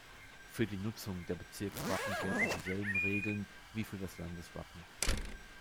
Für die Nutzung der Bezirkswappen gelten dieselben Regeln wie für das Landeswappen.